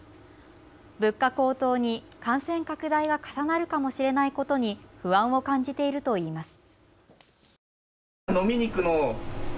物価高騰に感染拡大が重なるかもしれないことに不安を感じているといいます。